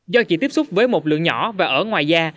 do chỉ tiếp xúc với một lượng nhỏ và ở ngoài da